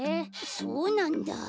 そうなんだ。